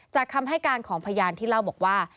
คำให้การของพยานที่เล่าบอกว่า